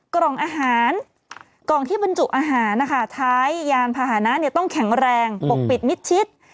กล่องอาหารกล่องที่บรรจุอาหารนะคะท้ายยานพาหนะต้องแข็งแรงปกปิดมิดชิด